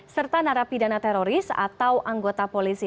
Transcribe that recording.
serta narapidana teroris atau anggota polisi